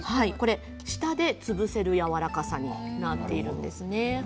舌で潰せるやわらかさになっているんです。